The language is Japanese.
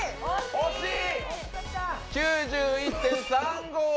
惜しい！